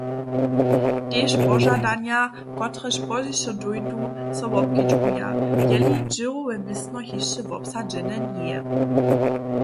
Tež požadanja, kotrež pozdźišo dóńdu, so wobkedźbuja, jeli dźěłowe městno hišće wobsadźene njeje.